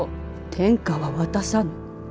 天下は渡さぬ。